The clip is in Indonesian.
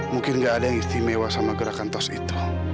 mungkin nggak ada yang istimewa sama gerakan tos itu